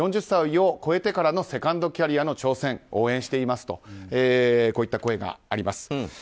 ４０歳を超えてからのセカンドキャリアの挑戦応援していますといった声があります。